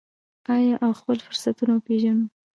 آیا او خپل فرصتونه وپیژنو؟